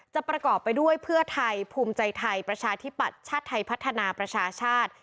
ประกอบไปด้วยเพื่อไทยภูมิใจไทยประชาธิปัตย์ชาติไทยพัฒนาประชาชาติ